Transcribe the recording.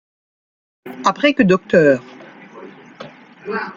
Après que Dr.